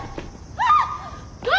あっ！